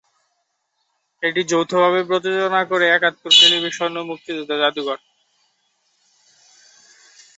এটি যৌথভাবে প্রযোজনা করে একাত্তর টেলিভিশন ও মুক্তিযুদ্ধ জাদুঘর।